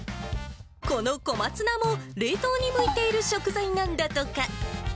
この小松菜も冷凍に向いている食材なんだとか。